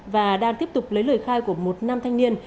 và đang tiếp tục lấy lời khai của một nam thanh niên